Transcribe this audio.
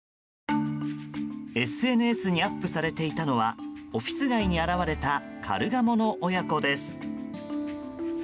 ＳＮＳにアップされていたのはオフィス街に現れたカルガモの親子です。